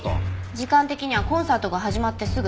時間的にはコンサートが始まってすぐ。